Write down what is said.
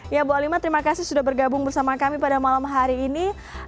ya bu alima terima kasih sudah bergabung bersama kami pada malam hari ini